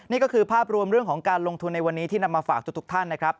นี่ก็คือภาพรวมเรื่องของการลงทุนในวันนี้ที่นำมาฝากทุกท่านนะครับ